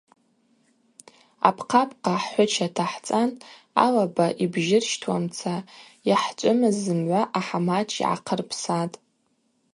Апхъапхъа хӏхӏвыча тахӏцан алаба йбжьырщтуамца йхӏчӏвымыз зымгӏва ахӏамач йгӏахъырпсатӏ.